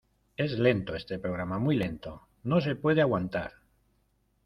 ¡Es lento este programa, muy lento, no se puede aguantar!